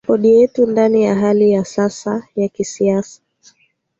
rekodi yetu Ndani ya hali ya sasa ya kisiasa